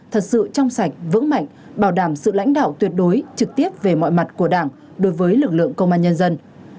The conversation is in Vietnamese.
thật sự trong sạch vững mạnh bảo đảm sự lãnh đạo tuyệt đối trực tiếp về mọi mặt của đảng đối với lực lượng công an nhân dân